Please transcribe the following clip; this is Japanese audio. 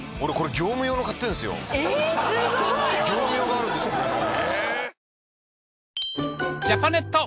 業務用があるんですこれの。